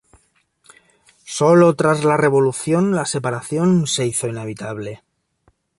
Sólo tras la revolución la separación se hizo inevitable.